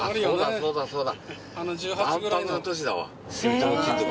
そうだそうだ。